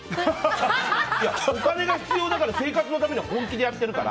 お金が必要だから生活のために本気でやってるから。